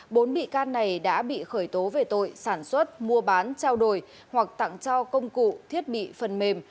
bốn bị can này đã bị khởi tố về tội sản xuất mua bán trao đổi hoặc tặng cho công cụ thiết bị phần mềm